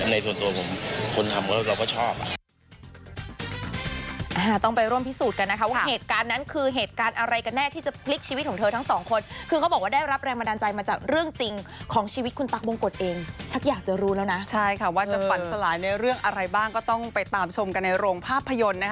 ในส่วนตัวผมคนทำเราก็ชอบ